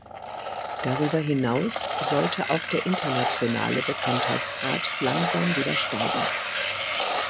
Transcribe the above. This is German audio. Darüber hinaus sollte auch der internationale Bekanntheitsgrad langsam wieder steigen.